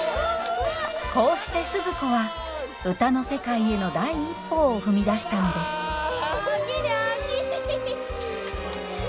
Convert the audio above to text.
こうして鈴子は歌の世界への第一歩を踏み出したのですおおきにおおきに。